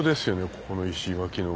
ここの石垣の。